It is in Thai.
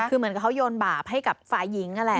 คือเหมือนกับเขาโยนบาปให้กับฝ่ายหญิงนั่นแหละ